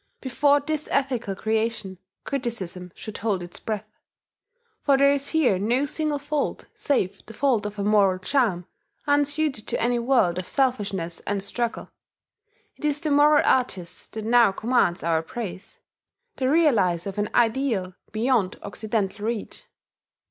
Before this ethical creation, criticism should hold its breath; for there is here no single fault save the fault of a moral charm unsuited to any world of selfishness and struggle. It is the moral artist that now commands our praise, the realizer of an ideal beyond Occidental reach.